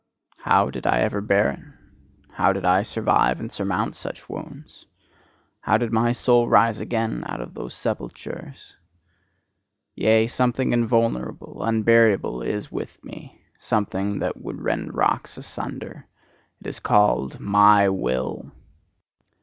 How did I ever bear it? How did I survive and surmount such wounds? How did my soul rise again out of those sepulchres? Yea, something invulnerable, unburiable is with me, something that would rend rocks asunder: it is called MY WILL.